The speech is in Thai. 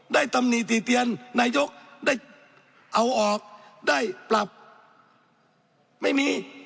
ตำหนิติเตียนนายกได้เอาออกได้ปรับไม่มี